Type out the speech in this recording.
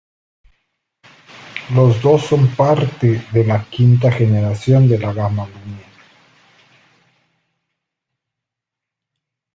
Los dos son parte de la quinta generación de la gama Lumia.